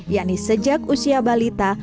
yakni sejak usia balita